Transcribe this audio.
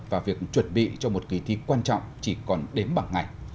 và việc chuẩn bị cho một kỳ thi quan trọng chỉ còn đếm bằng ngày